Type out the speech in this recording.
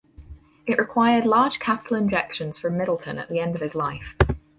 It required large capital injections from Middleton at the end of his life.